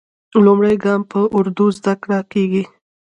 لومړی ګام په اردو زده کېږي.